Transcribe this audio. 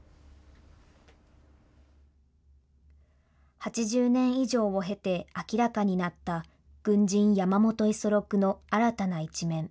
８０年以上を経て明らかになった軍人、山本五十六の新たな一面。